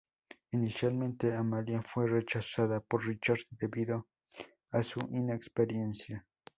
Inicialmente, Amalia fue rechazada por Richard debido a su inexperiencia.